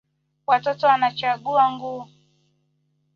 Watoto wanachagua nguo